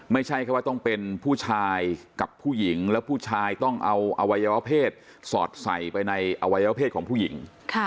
ไม่ใช่แค่ว่าต้องเป็นผู้ชายกับผู้หญิงแล้วผู้ชายต้องเอาอวัยวะเพศสอดใส่ไปในอวัยวะเพศของผู้หญิง